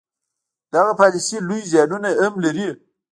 دغه پالیسي لوی زیانونه هم لري.